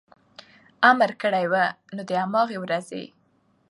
امر کړی و، نو د هماغې ورځې